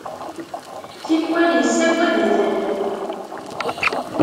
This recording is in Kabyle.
Tikwal yessagad-iten.